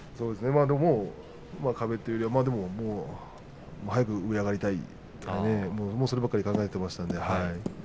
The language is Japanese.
壁というよりは早く上に上がりたいそればかり考えていました。